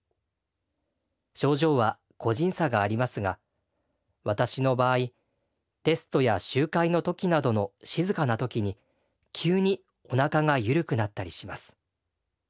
症状は個人差がありますが私の場合テストや集会の時などの静かな時に急におなかが緩くなったりします。